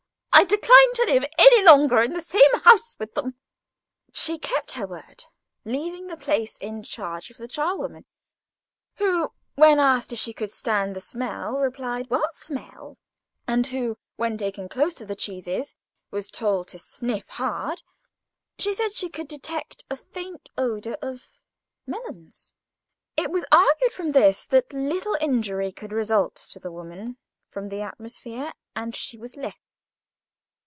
I decline to live any longer in the same house with them." She kept her word, leaving the place in charge of the charwoman, who, when asked if she could stand the smell, replied, "What smell?" and who, when taken close to the cheeses and told to sniff hard, said she could detect a faint odour of melons. It was argued from this that little injury could result to the woman from the atmosphere, and she was left.